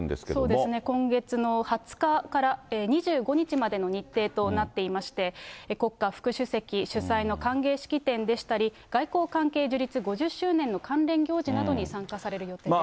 そうですね、今月の２０日から２５日までの日程となっていまして、国家副主席主催の歓迎式典でしたり、外交関係樹立５０周年の関連行事などに参加される予定です。